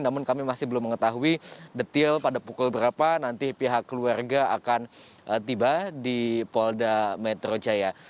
namun kami masih belum mengetahui detail pada pukul berapa nanti pihak keluarga akan tiba di polda metro jaya